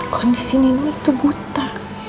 kondisi nino itu buta